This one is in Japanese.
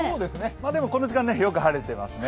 でもこの時間、よく晴れてますね。